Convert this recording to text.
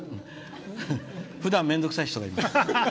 ふだん、面倒くさい人がいます。